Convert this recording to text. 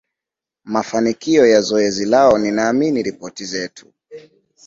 mafanikio ya zoezi lao Ninaamini ripoti zetu